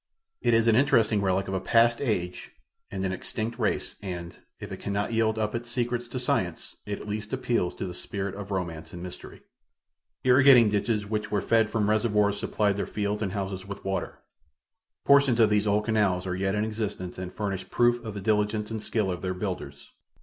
It is an interesting relic of a past age and an extinct race and, if it cannot yield up its secrets to science, it at least appeals to the spirit of romance and mystery. Irrigating ditches which were fed from reservoirs supplied their fields and houses with water. Portions of these old canals are yet in existence and furnish proof of the diligence and skill of their builders.